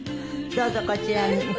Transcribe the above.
どうぞこちらに。